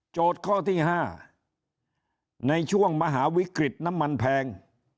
ข้อที่๕ในช่วงมหาวิกฤตน้ำมันแพง